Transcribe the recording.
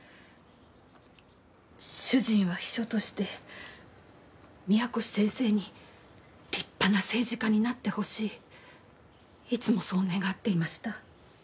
主人は秘書として宮越先生に立派な政治家になってほしいいつもそう願っていました。